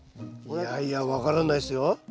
いやいや分からないですよ。